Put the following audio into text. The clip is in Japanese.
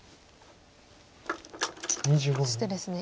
そしてですね